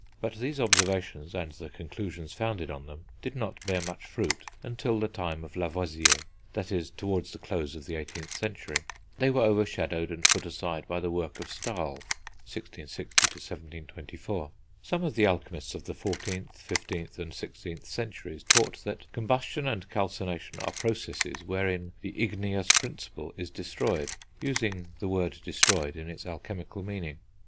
But these observations and the conclusions founded on them, did not bear much fruit until the time of Lavoisier, that is, towards the close of the 18th century. They were overshadowed and put aside by the work of Stahl (1660 1724). Some of the alchemists of the 14th, 15th and 16th centuries taught that combustion and calcination are processes wherein the igneous principle is destroyed, using the word "destroyed" in its alchemical meaning.